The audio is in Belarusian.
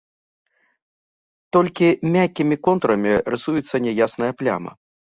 Толькі мяккімі контурамі рысуецца няясная пляма.